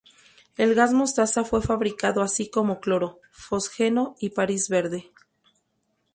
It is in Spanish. El gas mostaza fue fabricado, así como cloro, fosgeno y París Verde.